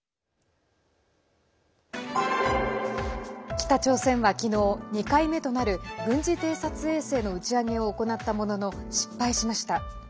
北朝鮮は昨日２回目となる軍事偵察衛星の打ち上げを行ったものの失敗しました。